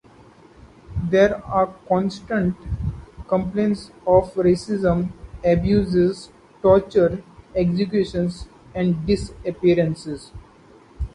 There are constant complaints of racism, abuses, torture, executions and disappearances.